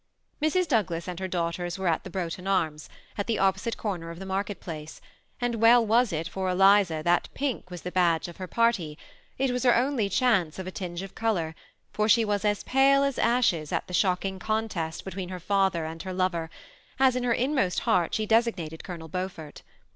Mrs. Douglas and her daughters were at the Brough ton Arms, at the opposite comer of the market place, and well was it for Eliza that pink was the badge of her party ; it was her only chance of a tinge of color, for she was as pale as ashes at the shocking contest be tween her father and her lover, as in her inmost heart she designated Colonel Beaufort.